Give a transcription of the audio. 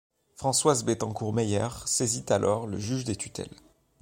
Françoise Bettencourt Meyers saisit alors le juge des tutelles.